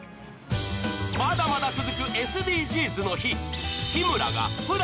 まだまだ続く「ＳＤＧｓの日」。